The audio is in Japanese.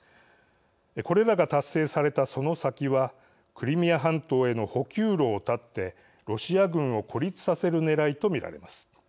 これらが達成された、その先はクリミア半島への補給路を断ってロシア軍を孤立させるねらいと見られます。